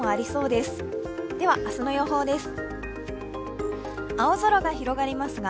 では、明日の予報です。